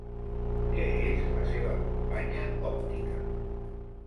Què és la seva companya òptica?